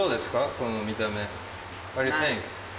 この見た目。